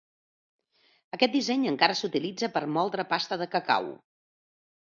Aquest disseny encara s'utilitza per moldre pasta de cacau.